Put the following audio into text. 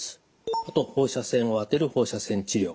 あと放射線を当てる放射線治療。